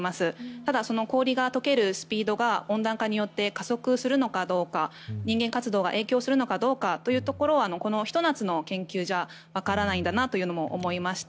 ただ、氷が解けるスピードが温暖化によって加速するのかどうか人間活動が影響するのかどうかというところはこのひと夏の研究じゃわからないんだなということも思いました。